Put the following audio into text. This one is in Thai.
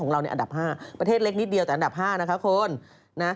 เราในอันดับ๕ประเทศเล็กนิดเดียวแต่อันดับ๕นะคะคุณนะ